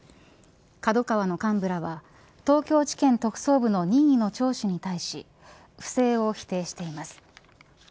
ＫＡＤＯＫＡＷＡの幹部らは東京地検特捜部の任意の聴取に対し不正を否定しています。